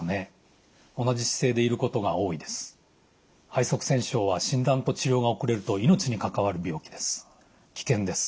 肺塞栓症は診断と治療が遅れると命に関わる病気です。